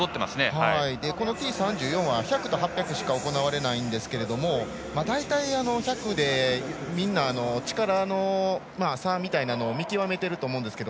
このＴ３４は１００と８００しか行われないんですが大体、１００でみんな力の差みたいなものを見極めていると思いますが。